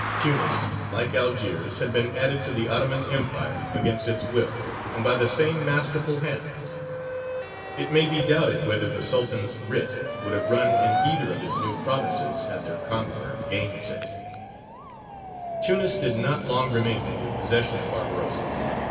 Tunis, like Algiers, had been added to the Ottoman Empire, against its will, and by the same masterful hands. It may be doubted whether the Sultan's writ would have run in either of his new provinces had their conqueror gainsaid it. [Illustration: TUNIS, 1566. (From a Map in the British Museum.)] Tunis did not long remain in the possession of Barbarossa.